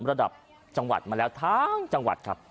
ระดับจังหวัดมาแล้วทั้งจังหวัดครับ